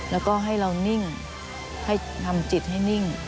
แล้วก็ให้เรานิ่งให้ทำจิตให้นิ่ง